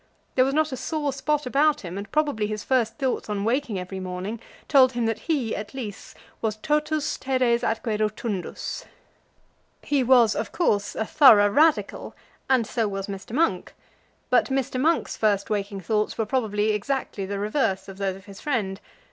There was not a sore spot about him, and probably his first thoughts on waking every morning told him that he, at least, was totus teres atque rotundus. He was, of course, a thorough Radical, and so was Mr. Monk. But Mr. Monk's first waking thoughts were probably exactly the reverse of those of his friend.